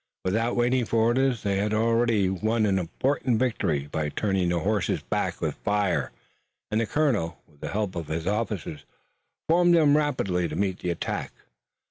Without waiting for orders they had already won an important victory by turning the horses back with fire, and the colonel, with the help of his officers, formed them rapidly to meet the attack.